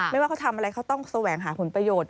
ว่าเขาทำอะไรเขาต้องแสวงหาผลประโยชน์